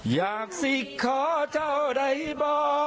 อยากสิขอเท่าได้บ่